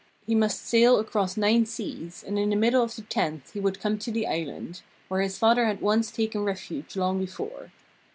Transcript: He must sail across nine seas and in the middle of the tenth he would come to the island, where his father had once taken refuge long before.